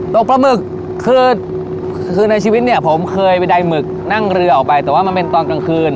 ปลาหมึกคือคือในชีวิตเนี่ยผมเคยไปใดหมึกนั่งเรือออกไปแต่ว่ามันเป็นตอนกลางคืน